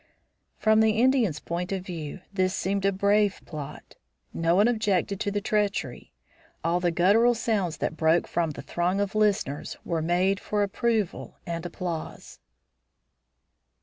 From the Indians' point of view this seemed a brave plot. No one objected to the treachery. All the guttural sounds that broke from the throng of listeners were made for approval and applause.